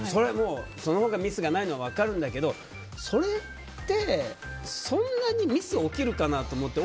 そのほうがミスがないのは分かるんだけどそれってそんなにミス起きるかな？